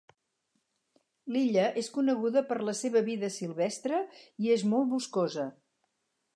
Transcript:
L'illa és coneguda per la seva vida silvestre i és molt boscosa.